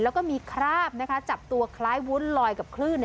แล้วก็มีคราบจับตัวคล้ายวุ้นลอยกับคลื่น